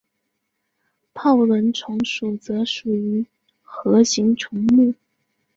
泡轮虫属则属于核形虫目。